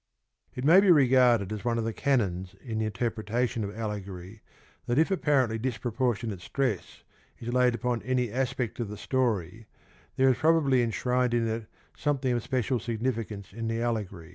It may be regarded as one of the canons in the interpretation of allegory that if apparently dispropor tionate stress is laid upon any aspect of the story there is probably enshrined in it something of special signifi cance in the allegory.